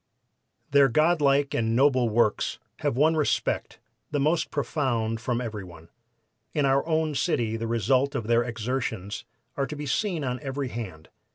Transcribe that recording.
"Their God like and noble works have won respect, the most profound from every one. In our own city the result of their exertions are to be seen on every hand.